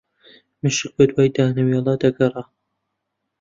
مشک بەدوای دانەوێڵە دەگەڕا